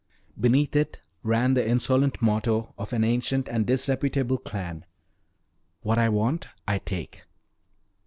Beneath it ran the insolent motto of an ancient and disreputable clan, "What I want I take!"